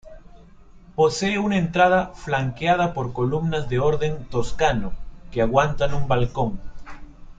Posee una entrada flanqueada por columnas de orden toscano que aguantan un balcón.